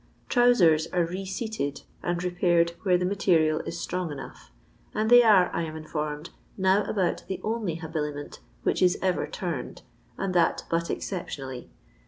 Trcyusers are re seated and repaired where the material is strong enough; and they are, I am informed, now about the only habiliment which i« ever " turned," itnd that but exceptionally.